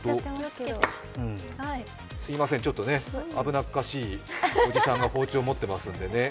すいません、危なっかしいおじさんが包丁持ってますんでね。